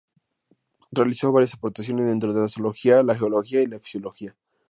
Realizó varias aportaciones dentro de la zoología, la geología y la fisiología.